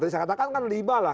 tadi saya katakan kan liba lah